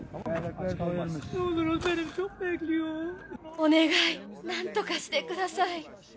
お願い、なんとかしてください。